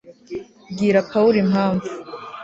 bwira pawulo impamvu